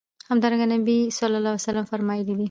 همدرانګه نبي عليه السلام فرمايلي دي